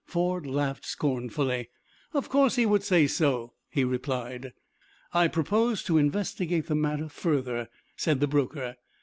Ford laughed scornfully. "Of course he would say so," he replied. "I propose to investigate the matter further," said the broker.